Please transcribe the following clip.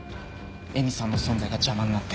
恵美さんの存在が邪魔になって。